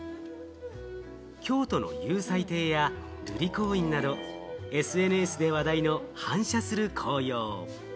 京都の祐斎亭や瑠璃光院などＳＮＳで話題の反射する紅葉。